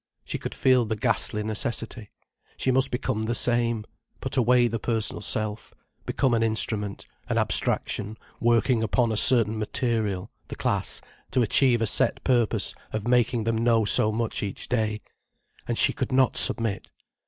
She could feel the ghastly necessity. She must become the same—put away the personal self, become an instrument, an abstraction, working upon a certain material, the class, to achieve a set purpose of making them know so much each day. And she could not submit.